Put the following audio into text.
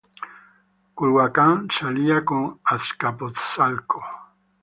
Culhuacán se alía con Azcapotzalco.